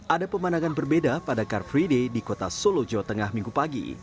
ada pemandangan berbeda pada car free day di kota solo jawa tengah minggu pagi